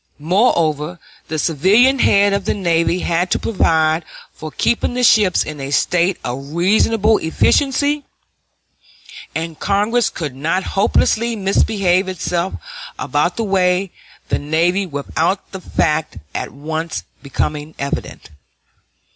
Moreover, the civilian head of the navy had to provide for keeping the ships in a state of reasonable efficiency, and Congress could not hopelessly misbehave itself about the navy without the fact at once becoming evident.